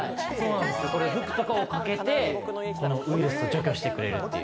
服とかをかけて、ウイルスを除去してくれるという。